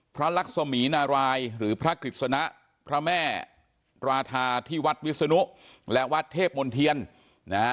ลักษมีนารายหรือพระกฤษณะพระแม่ราธาที่วัดวิศนุและวัดเทพมนเทียนนะฮะ